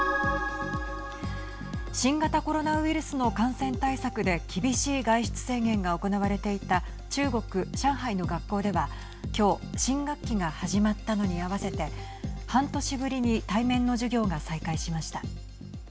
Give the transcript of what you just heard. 新型コロナウイルスの感染対策で厳しい外出制限が行われていた中国・上海の学校では今日新学期が始まったのに合わせて半年ぶりに対面の授業が再開しました。